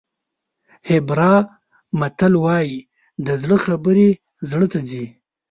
هیبرا متل وایي د زړه خبرې زړه ته ځي.